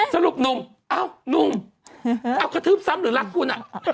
สรุปหนุ่มเอ้าหนุ่มเอากระทืบซ้ำหรือรักคุณ